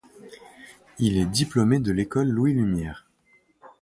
Il est diplômé de l'école Louis Lumière.